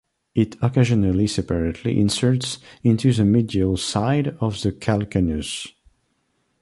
It occasionally separately inserts into the medial side of the calcaneus.